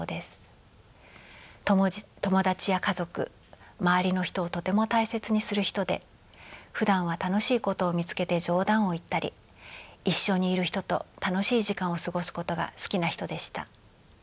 友達や家族周りの人をとても大切にする人でふだんは楽しいことを見つけて冗談を言ったり一緒にいる人と楽しい時間を過ごすことが好きな人でした。